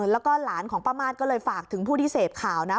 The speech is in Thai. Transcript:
แล้วก็หลานของป้ามาสก็เลยฝากถึงผู้ที่เสพข่าวนะ